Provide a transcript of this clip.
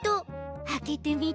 あけてみて！